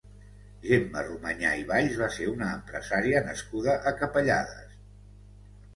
Gemma Romanyà i Valls va ser una empresària nascuda a Capellades.